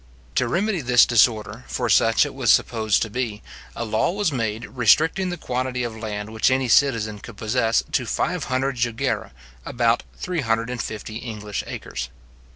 To remedy this disorder, for such it was supposed to be, a law was made, restricting the quantity of land which any citizen could possess to five hundred jugera; about 350 English acres.